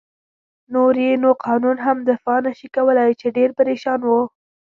نور يې نو قانون هم دفاع نه شي کولای، چې ډېر پرېشان و.